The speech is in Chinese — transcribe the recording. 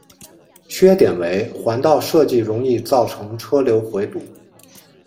缺点为环道设计容易造成车流回堵。